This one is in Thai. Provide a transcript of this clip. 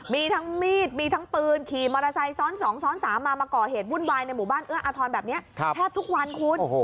มีทั้งมีดมีทั้งปืนขี่มอเตอร์ไซค์ซ้อน๒ซ้อน๓มามาก่อเหตุวุ่นวายในหมู่บ้านเอื้ออาทรแบบนี้แทบทุกวันคุณ